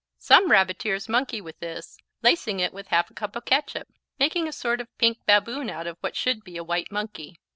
Some Rabbiteers monkey with this, lacing it with half a cup of catsup, making a sort of pink baboon out of what should be a white monkey.